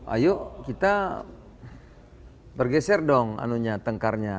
ayo kita bergeser dong anunya tengkarnya